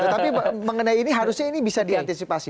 tapi mengenai ini harusnya ini bisa diantisipasi